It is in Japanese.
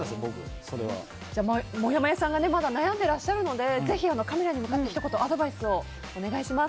もやもやさんがまだ悩んでらっしゃるのでぜひカメラに向かってひと言アドバイスをお願いします。